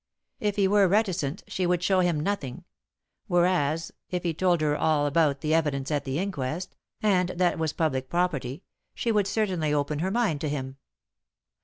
If he were reticent, she would show him nothing; whereas if he told her all about the evidence at the inquest and that was public property she would certainly open her mind to him.